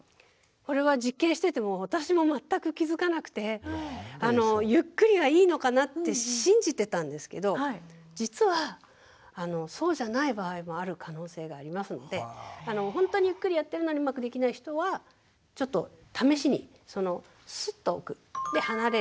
これは実験してても私も全く気付かなくてゆっくりがいいのかなって信じてたんですけど実はそうじゃない場合もある可能性がありますのでほんとにゆっくりやってるのにうまくできない人はちょっと試しにスッと置くで離れる。